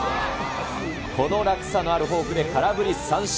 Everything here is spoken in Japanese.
この落差のあるフォークで、空振り三振。